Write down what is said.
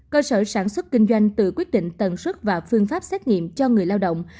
cơ sở sản xuất kinh doanh tự quyết định tầng xuất và phương pháp xét nghiệm cho người lao động